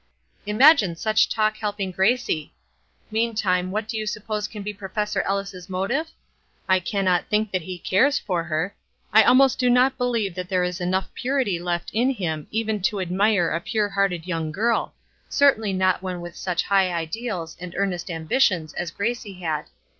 Imagine such talk helping Gracie! Meantime, what do you suppose can be Prof. Ellis' motive? I cannot think that he cares for her; I almost do not believe that there is enough purity left in him even to admire a pure hearted young girl; certainly not one with such high ideals and earnest ambitions as Gracie had.